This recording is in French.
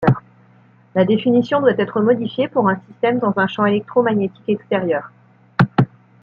La définition doit être modifiée pour un système dans un champ électromagnétique extérieur.